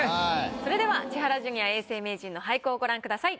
それでは千原ジュニア永世名人の俳句をご覧ください。